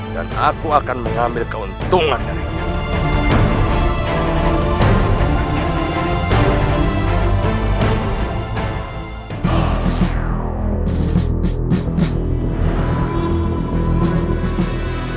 dan aku akan mengambil keuntungan dari